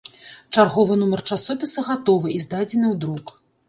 Чарговы нумар часопіса гатовы і здадзены ў друк.